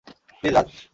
Please, Raj.